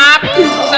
ya ya usah usah